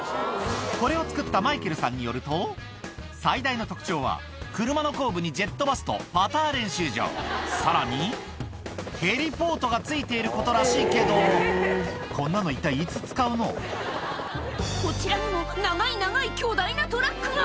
これを作ったマイケルさんによると、最大の特徴は、車の後部にジェットバスとパター練習場、さらに、ヘリポートがついていることらしいけど、こんなの、一体いつ使うこちらにも長い長い巨大なトラックが。